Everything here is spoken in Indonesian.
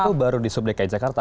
oh baru di sub dki jakarta